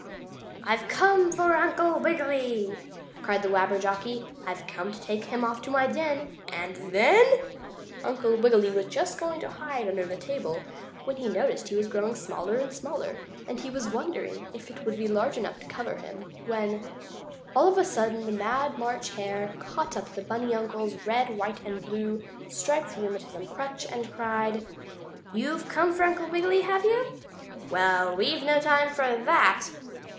"I've come for Uncle Wiggily!" cried the Wabberjocky. "I've come to take him off to my den, and then " Uncle Wiggily was just going to hide under the table, which he noticed was growing smaller and smaller, and he was wondering if it would be large enough to cover him, when All of a sudden the Mad March Hare caught up the bunny uncle's red, white and blue striped rheumatism crutch, and cried: "You've come for Uncle Wiggily, have you? Well, we've no time for that!"